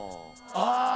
あぁ。